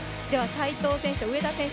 斉藤選手、上田選手